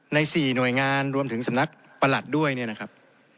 ใน๔หน่วยงานรวมถึงสำนักประหลัดด้วยเนี่ยนะครับ